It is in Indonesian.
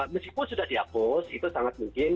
meskipun sudah dihapus itu sangat mungkin